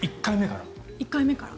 １回目から？